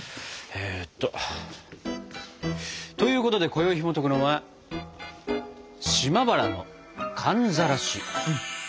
えっと。ということでこよいひもとくのは「島原の寒ざらし」。